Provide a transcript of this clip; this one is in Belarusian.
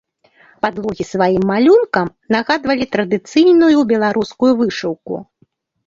Падлогі сваім малюнкам нагадвалі традыцыйную беларускую вышыўку.